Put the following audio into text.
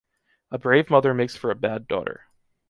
A brave mother makes for a bad daughter.